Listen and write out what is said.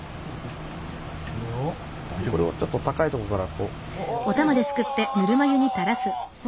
これをちょっと高いとこからこう。